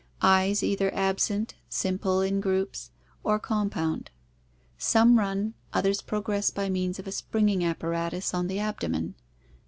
Eyes either absent, simple in groups, or com pound. Some run, others progress by means of a springing apparatus on the abdomen.